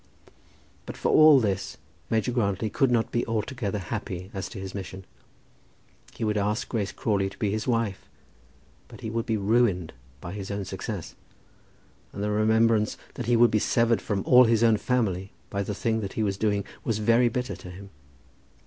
But for all this Major Grantly could not be altogether happy as to his mission. He would ask Grace Crawley to be his wife; but he would be ruined by his own success. And the remembrance that he would be severed from all his own family by the thing that he was doing, was very bitter to him.